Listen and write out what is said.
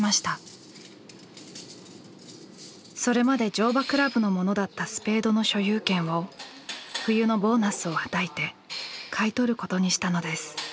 それまで乗馬倶楽部のものだったスペードの所有権を冬のボーナスをはたいて買い取ることにしたのです。